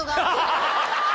ハハハハ！